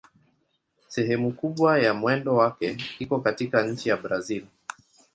Sehemu kubwa ya mwendo wake iko katika nchi ya Brazil.